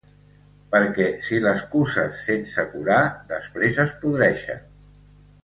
Perquè si les cuses sense curar després es podreixen.